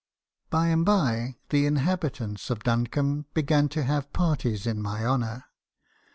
"By and by the inhabitants of Duncombe began to have parties in my honour.